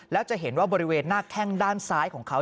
แล้วจะเห็นว่าบริเวณหน้าแข้งด้านซ้ายของเขา